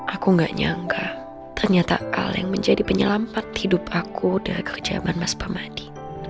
aku nggak nyangka ternyata aleng menjadi penyelamat hidup aku udah kejaman mas pamadi